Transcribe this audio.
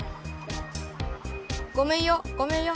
ごめんよごめんよ。